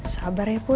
sabar ya put